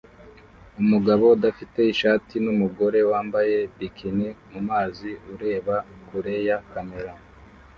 Umugabo udafite ishati numugore wambaye bikini mumazi ureba kure ya kamera